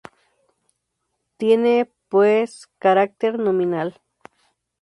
Tiene, pues, carácter nominal.